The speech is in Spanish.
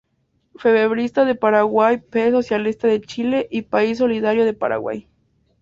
Febrerista de Paraguay, P. Socialista de Chile y País Solidario de Paraguay.